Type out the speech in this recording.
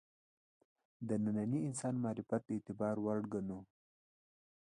د ننني انسان معرفت د اعتبار وړ وګڼو.